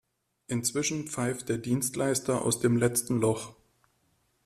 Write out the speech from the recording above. Inzwischen pfeift der Dienstleister aus dem letztem Loch.